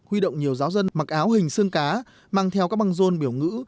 huy động nhiều giáo dân mặc áo hình xương cá mang theo các băng rôn biểu ngữ